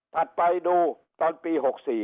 ไปดูตอนปี๖๔